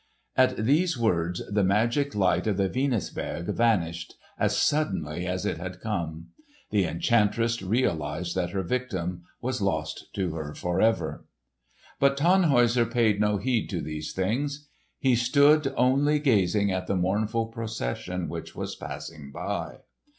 At these words the magic light of the Venusberg vanished as suddenly as it had come. The enchantress realised that her victim was lost to her forever. But Tannhäuser paid no heed to these things. He stood only gazing at the mournful procession which was passing by.